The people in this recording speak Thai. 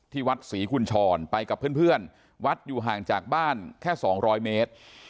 วัดศรีคุณชรไปกับเพื่อนวัดอยู่ห่างจากบ้านแค่๒๐๐เมตร